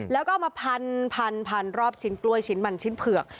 แล้วก็เอามาพันรอบชิ้นกล้วยชิ้นมันชิ้นเผือก